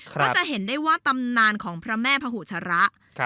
ก็จะเห็นได้ว่าตำนานของพระแม่พุชระ